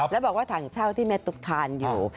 แล้วบอกว่าถังเช่าที่แม่ตุ๊กทานอยู่